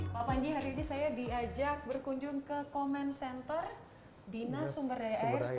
pak panji hari ini saya diajak berkunjung ke comment center dinas sumberdaya air provinsi dki jakarta